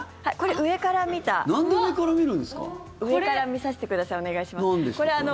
上から見させてくださいお願いします。